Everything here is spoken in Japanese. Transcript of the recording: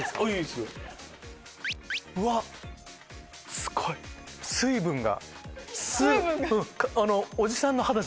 すごい！水分が。